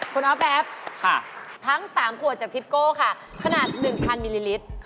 คุณออฟแป๊บทั้ง๓ขวดจากทิปโก้ค่ะขนาด๑๐๐มิลลิลิตร